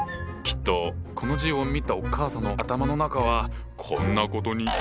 きっとこの字を見たお母さんの頭の中はこんなことに。